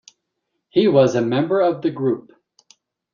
He was a member of The Group.